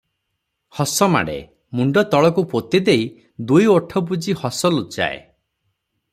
ହସ ମାଡ଼େ, ମୁଣ୍ଡ ତଳକୁ ପୋତି ଦେଇ ଦୁଇ ଓଠ ବୁଜି ହସ ଲୁଚାଏ ।